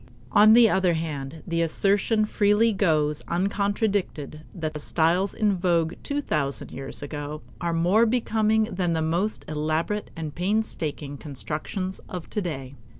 On the other hand, the assertion freely goes uncontradicted that styles in vogue two thousand years ago are more becoming than the most elaborate and painstaking constructions of today.